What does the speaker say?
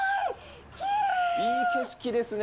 いい景色ですね。